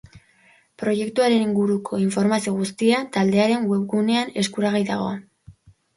Proiektuaren inguruko informazio guztia taldearen webgunean eskuragai dago.